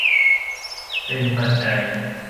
เป็นปัจจัย